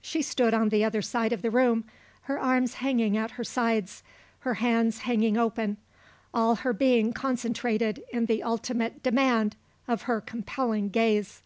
She stood on the other side of the room, her arms hanging at her sides, her hands hanging open, all her being concentrated in the ultimate demand of her compelling gaze.